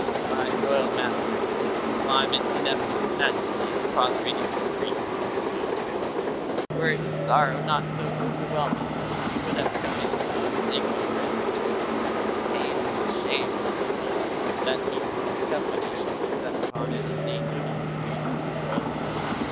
"My royal master, His Sublime and Ineffable Majesty, is prostrated with grief," he stated solemnly. "Were his sorrow not so overwhelming, he would have come in His Own Sacred Person to express the pain and shame which he feels that people of the Company should be set upon and endangered in the streets of the royal city."